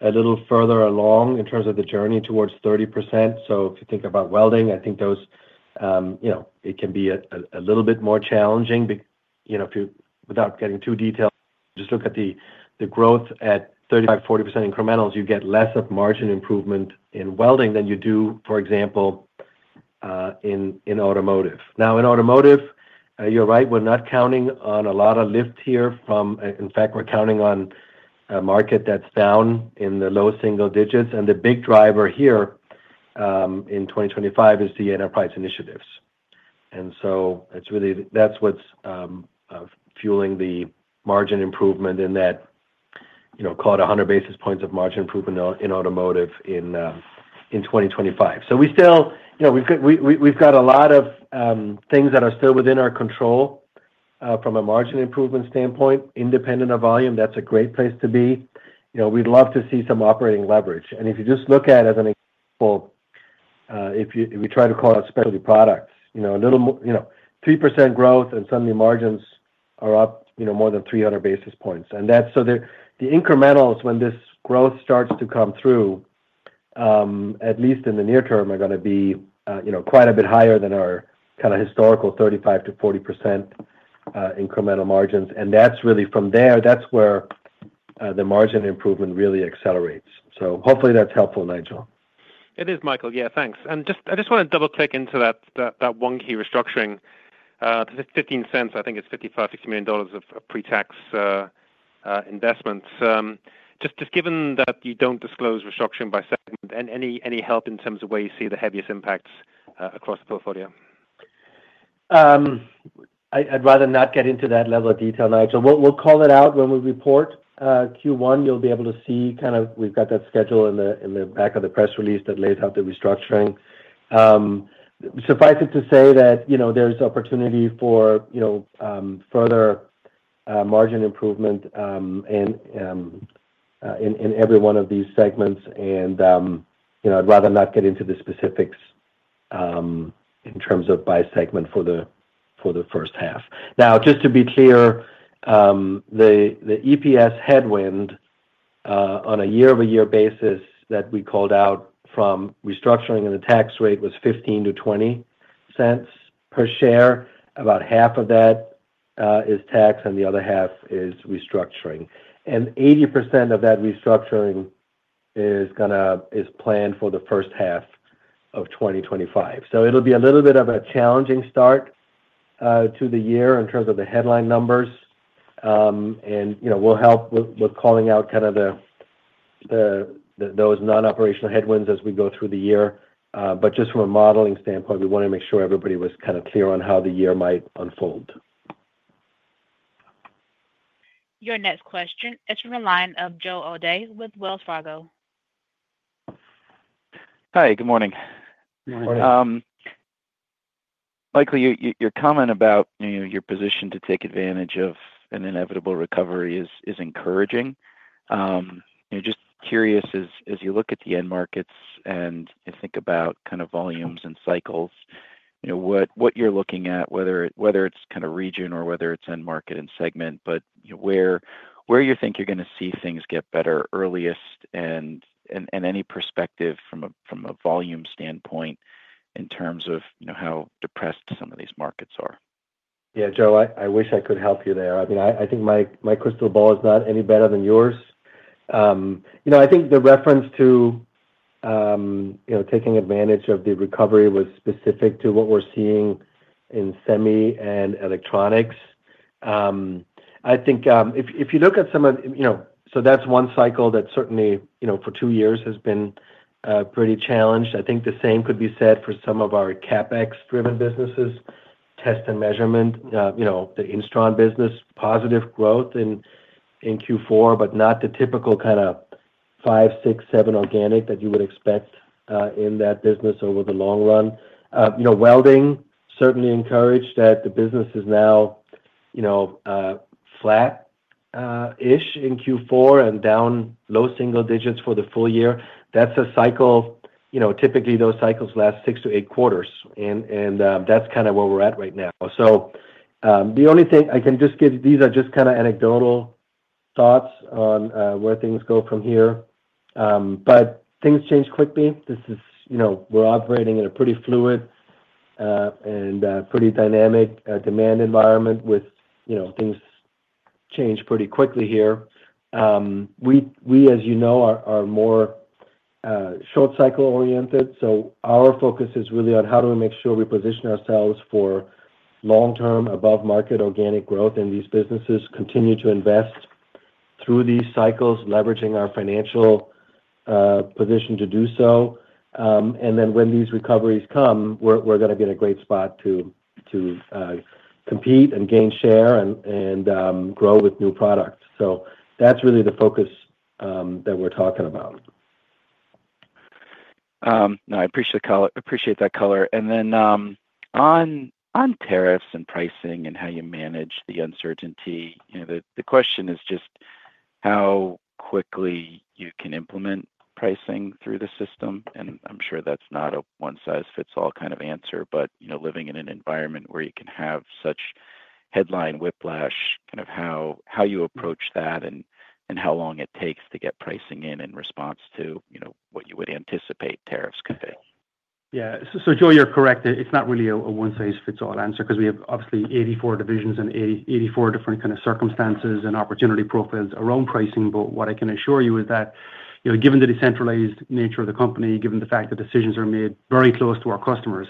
a little further along in terms of the journey towards 30%. So if you think about Welding, I think it can be a little bit more challenging. Without getting too detailed, just look at the growth at 35% to 40% incrementals. You get less of margin improvement in Welding than you do, for example, in Automotive. Now, in Automotive, you're right. We're not counting on a lot of lift here from in fact, we're counting on a market that's down in the low single digits. And the big driver here in 2025 is the enterprise initiatives. And so that's what's fueling the margin improvement in that, call it 100 basis points of margin improvement in Automotive in 2025. So we still, we've got a lot of things that are still within our control from a margin improvement standpoint. Independent of volume, that's a great place to be. We'd love to see some operating leverage. And if you just look at, as an example, if we try to call out Specialty Products, a little 3% growth and suddenly margins are up more than 300 basis points. And so the incrementals, when this growth starts to come through, at least in the near term, are going to be quite a bit higher than our kind of historical 35% to 40% incremental margins. And that's really from there, that's where the margin improvement really accelerates. So hopefully that's helpful, Nigel.
It is, Michael. Yeah. Thanks. And I just want to double-click into that one key restructuring. $0.15, I think it's $55-$60 million of pre-tax investments. Just given that you don't disclose restructuring by segment, any help in terms of where you see the heaviest impacts across the portfolio?
I'd rather not get into that level of detail, Nigel. We'll call it out when we report Q1. You'll be able to see kind of we've got that schedule in the back of the press release that lays out the restructuring. Suffice it to say that there's opportunity for further margin improvement in every one of these segments. And I'd rather not get into the specifics in terms of by segment for the first half. Now, just to be clear, the EPS headwind on a year-over-year basis that we called out from restructuring and the tax rate was $0.15-$0.20 per share. About half of that is tax and the other half is restructuring. 80% of that restructuring is planned for the first half of 2025. It'll be a little bit of a challenging start to the year in terms of the headline numbers. We'll help with calling out kind of those non-operational headwinds as we go through the year. Just from a modeling standpoint, we want to make sure everybody was kind of clear on how the year might unfold.
Your next question is from the line of Joe O'Dea with Wells Fargo.
Hi. Good morning. Good morning. Michael, your comment about your position to take advantage of an inevitable recovery is encouraging. Just curious, as you look at the end markets and you think about kind of volumes and cycles, what you're looking at, whether it's kind of region or whether it's end market and segment, but where you think you're going to see things get better earliest and any perspective from a volume standpoint in terms of how depressed some of these markets are?
Yeah, Joe, I wish I could help you there. I mean, I think my crystal ball is not any better than yours. I think the reference to taking advantage of the recovery was specific to what we're seeing in Semi and electronics. I think if you look at some of so that's one cycle that certainly for two years has been pretty challenged. I think the same could be said for some of our CapEx-driven businesses, Test & Measurement, the Instron business, positive growth in Q4, but not the typical kind of five, six, seven organic that you would expect in that business over the long run. Welding, certainly encouraged that the business is now flat-ish in Q4 and down low single digits for the full year. That's a cycle. Typically, those cycles last six to eight quarters. And that's kind of where we're at right now. So the only thing I can just give these are just kind of anecdotal thoughts on where things go from here. But things change quickly. This is we're operating in a pretty fluid and pretty dynamic demand environment with things change pretty quickly here. We, as you know, are more short-cycle oriented. So, our focus is really on how do we make sure we position ourselves for long-term above-market organic growth in these businesses, continue to invest through these cycles, leveraging our financial position to do so. And then when these recoveries come, we're going to be in a great spot to compete and gain share and grow with new products. So that's really the focus that we're talking about.
No, I appreciate that color. And then on tariffs and pricing and how you manage the uncertainty, the question is just how quickly you can implement pricing through the system. And I'm sure that's not a one-size-fits-all kind of answer, but living in an environment where you can have such headline whiplash, kind of how you approach that and how long it takes to get pricing in response to what you would anticipate tariffs could be.
Yeah. So, Joe, you're correct. It's not really a one-size-fits-all answer because we have obviously 84 divisions and 84 different kind of circumstances and opportunity profiles around pricing. But what I can assure you is that given the decentralized nature of the company, given the fact that decisions are made very close to our customers,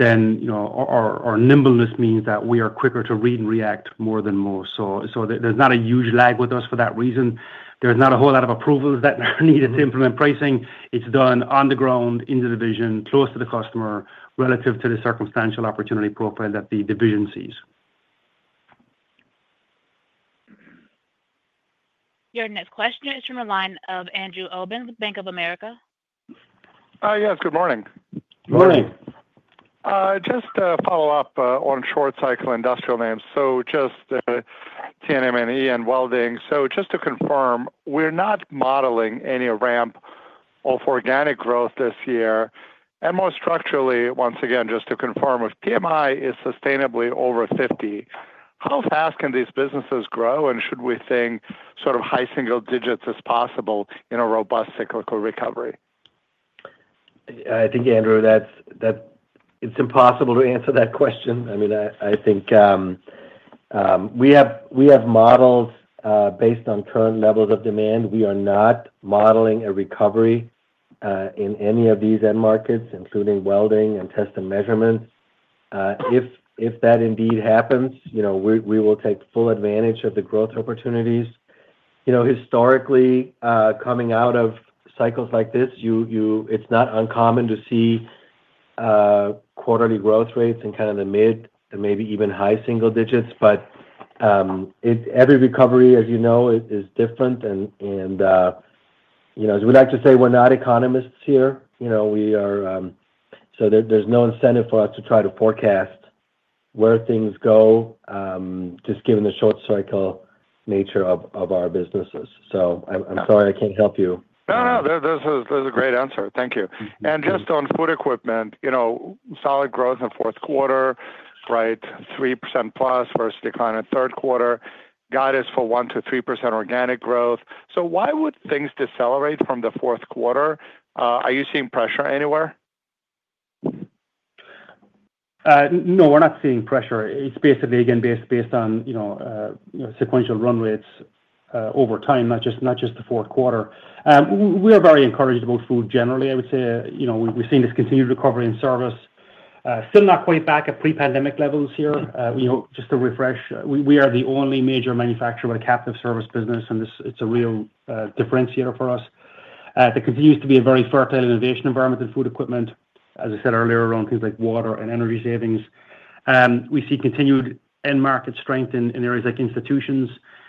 then our nimbleness means that we are quicker to read and react more than most. So there's not a huge lag with us for that reason. There's not a whole lot of approvals that are needed to implement pricing. It's done on the ground, in the division, close to the customer, relative to the circumstantial opportunity profile that the division sees.
Your next question is from the line of Andrew Obin with Bank of America.
Hi. Yes. Good morning. Good morning. Just to follow up on short-cycle industrial names. So just T&M&E and Welding. So just to confirm, we're not modeling any ramp of organic growth this year. And more structurally, once again, just to confirm, if PMI is sustainably over 50, how fast can these businesses grow? And should we think sort of high single digits as possible in a robust cyclical recovery?
I think, Andrew, it's impossible to answer that question. I mean, I think we have models based on current levels of demand. We are not modeling a recovery in any of these end markets, including Welding and Test & Measurement. If that indeed happens, we will take full advantage of the growth opportunities. Historically, coming out of cycles like this, it's not uncommon to see quarterly growth rates in kind of the mid and maybe even high single digits. But every recovery, as you know, is different. And as we like to say, we're not economists here. So there's no incentive for us to try to forecast where things go, just given the short-cycle nature of our businesses. So I'm sorry I can't hel
p you. No, no. This is a great answer. Thank you. And just on Food Equipment, solid growth in the Q4, right? 3% plus versus declining Q3. Got us for 1% to 3% organic growth. So why would things decelerate from the Q4? Are you seeing pressure anywhere?
No, we're not seeing pressure. It's basically, again, based on sequential run rates over time, not just the Q4. We are very encouraged about food generally, I would say. We've seen this continued recovery in service. Still not quite back at pre-pandemic levels here. Just to refresh, we are the only major manufacturer with a captive service business, and it's a real differentiator for us. There continues to be a very fertile innovation environment in Food Equipment. As I said earlier around things like water and energy savings. We see continued end market strength in areas like institutions.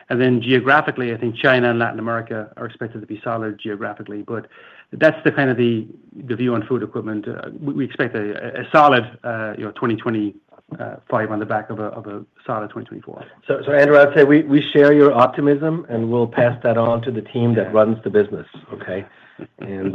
And then geographically, I think China and Latin America are expected to be solid geographically. But that's kind of the view on Food Equipment. We expect a solid 2025 on the back of a solid 2024.
So, Andrew, I'd say we share your optimism, and we'll pass that on to the team that runs the business, okay? And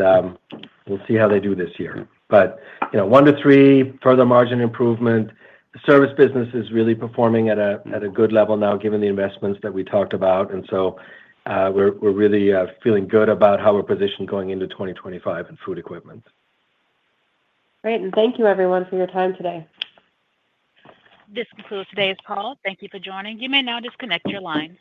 we'll see how they do this year. But one to three, further margin improvement. The service business is really performing at a good level now, given the investments that we talked about. And so we're really feeling good about how we're positioned going into 2025 in Food Equipment.
Great. And thank you, everyone, for your time today.
This concludes today's call. Thank you for joining. You may now disconnect your line.